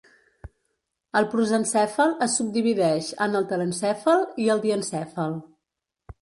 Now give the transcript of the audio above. El prosencèfal es subdivideix en el telencèfal i el diencèfal.